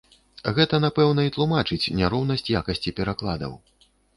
Гэта, напэўна, і тлумачыць няроўнасць якасці перакладаў.